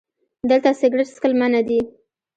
🚭 دلته سګرټ څکل منع دي